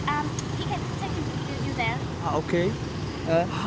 cái giá là bao nhiêu